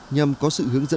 nhằm có sự hướng dẫn